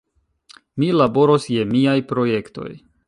Mi laboros je miaj projektoj.